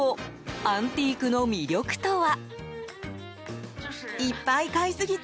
アンティークの魅力とは。